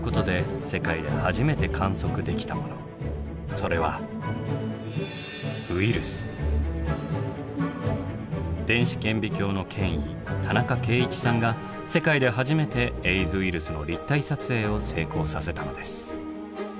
それは電子顕微鏡の権威田中敬一さんが世界ではじめてエイズウイルスの立体撮影を成功させたのです。